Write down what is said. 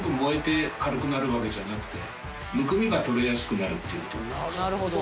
なるほど。